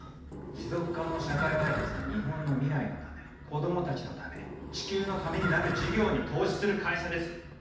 持続可能社会開発は日本の未来のため子供たちのため地球のためになる事業に投資する会社ですよ。